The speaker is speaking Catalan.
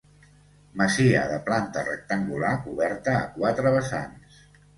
Masia de planta rectangular coberta a quatre vessants.